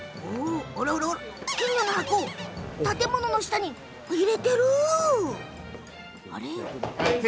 金魚の箱を建物の下に入れてるわ！